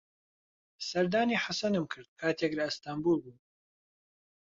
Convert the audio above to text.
سەردانی حەسەنم کرد کاتێک لە ئەستەنبوڵ بووم.